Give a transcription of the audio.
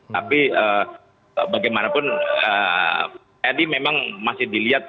tapi bagaimanapun tadi memang masih dilihat